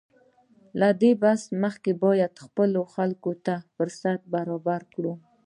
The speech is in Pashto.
له دې بحثونو مخکې باید خپلو خلکو ته فرصتونه برابر کړو.